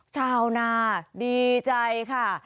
ชาวนาดีใจค่ะ